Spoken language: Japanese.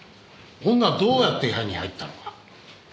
女はどうやって部屋に入ったのか？